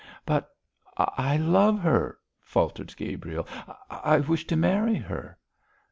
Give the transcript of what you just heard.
'But I love her,' faltered Gabriel; 'I wish to marry her.'